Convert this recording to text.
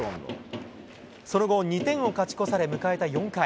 その後、２点を勝ち越され迎えた４回。